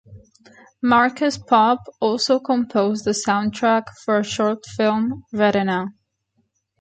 Markus Popp also composed the soundtrack for a short film Retina.